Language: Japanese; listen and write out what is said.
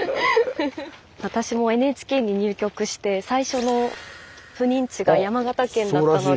私もＮＨＫに入局して最初の赴任地が山形県だったので。